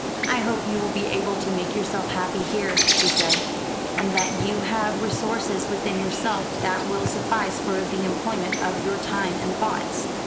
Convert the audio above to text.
"I hope you will be able to make yourself happy here," she said; "and that you have resources within yourself that will suffice for the employment of your time and thoughts.